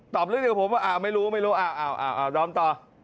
ตอบเรื่องเดียวกับผมไม่รู้ดอมต่อ